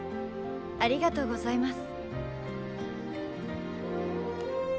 ありがとうございます。